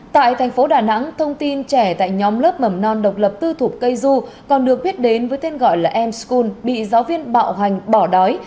tại thành phố đà nẵng thông tin trẻ tại nhóm lớp mầm non độc lập tư thục cây du còn được biết đến với tên gọi là em scon bị giáo viên bạo hành bỏ đói